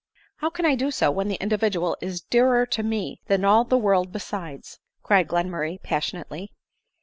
" How can I do so, when that individual is dearer to me than all the world besides $'* cried Glenmurray pas sionately.